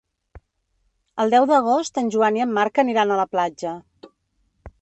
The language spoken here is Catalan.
El deu d'agost en Joan i en Marc aniran a la platja.